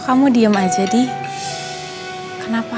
kamu suka banget makan rawon